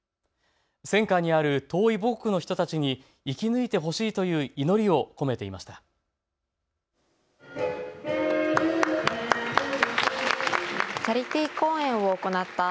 戦禍にある遠い母国の人たちに生き抜いてほしいという祈りを込めていました。